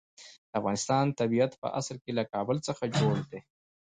د افغانستان طبیعت په اصل کې له کابل څخه جوړ دی.